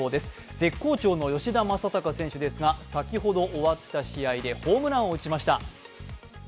絶好調の吉田正尚選手ですが、先ほど終わった試合で、ホームランを打ちました。